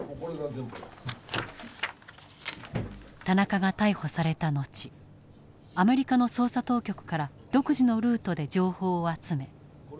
田中が逮捕された後アメリカの捜査当局から独自のルートで情報を集め事件の見立てをまとめていた。